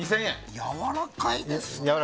やわらかいですね！